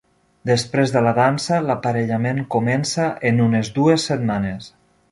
Després de la dansa, l'aparellament comença en unes dues setmanes.